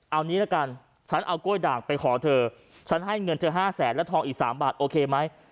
เอางี้ละกันฉันเอากล้วยด่างไปขอเธอฉันให้เงินเธอ๕แสนและทองอีก๓บาทโอเคไหม